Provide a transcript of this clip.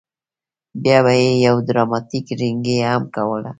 بیا به یې یو ډراماتیک رینګی هم کولو.